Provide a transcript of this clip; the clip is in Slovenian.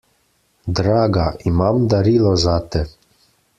Draga, imam darilo zate.